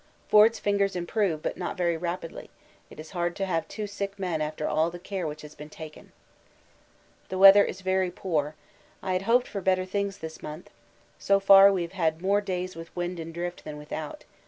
Forde's fingers improve, but not very rapidly; it is hard to have two sick men after all the care which has been taken. The weather is very poor I had hoped for better things this month. So far we have had more days with wind and drift than without.